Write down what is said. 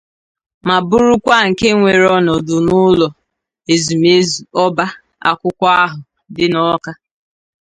ma bụrụkwa nke weere ọnọdụ n'ụlọ ezumezu ọba akwụkwọ ahụ dị n'Awka